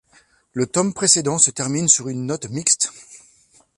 Le tome précédent se termine sur une note mixte.